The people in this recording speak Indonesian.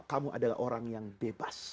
kamu adalah orang yang bebas